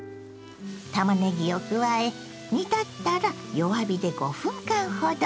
たまねぎを加え煮立ったら弱火で５分間ほど。